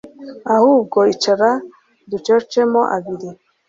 ahubwo icara ducocemo abiri